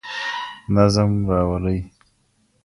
نظم راولئ.